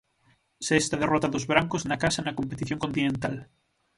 Sexta derrota dos brancos na casa na competición continental.